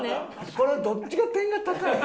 これどっちが点が高いの？